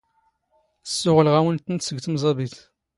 ⵙⵙⵓⵖⵍⵖ ⴰⵡⵏⵜ ⵜⵏⵜ ⵙⴳ ⵜⵎⵥⴰⴱⵉⵜ.